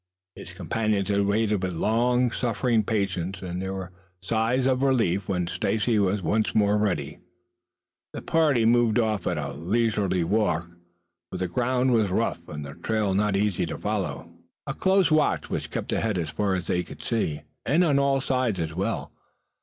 His companions had waited with long suffering patience, and there were sighs of relief when Stacy was once more ready. The party moved off at a leisurely walk, for the ground was rough and the trail not easy to follow. A close watch was kept ahead as far as they could see, and on all sides as well.